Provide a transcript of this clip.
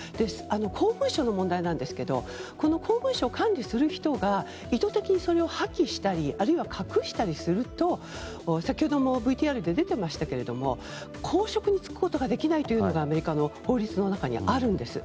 公文書の問題なんですがこの公文書を管理する人が意図的にそれを破棄したりあるいは隠したりすると先ほどもＶＴＲで出ていましたけれども公職に就くことができないのがアメリカの法律の中にあるんです。